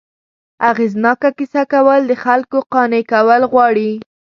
اغېزناکه کیسه کول، د خلکو قانع کول غواړي.